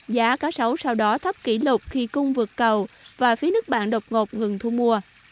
giá cá sấu sau đó thấp kỷ lục khi cung vượt cầu và phía nước bạn độc ngột ngừng thu mua